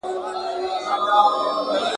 موري که موړ یمه که وږی وړم درانه بارونه ,